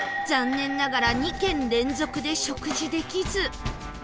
残念ながら２軒連続で食事できず